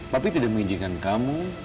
papi tidak mengizinkan kamu